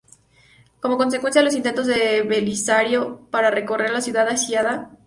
Como consecuencia, los intentos de Belisario para socorrer a la ciudad sitiada fracasaron.